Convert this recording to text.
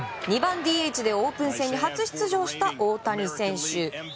２番ＤＨでオープン戦初出場した大谷選手。